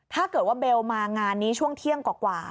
ถ้าเกิดว่าเบลมางานนี้ช่วงเที่ยงกว่า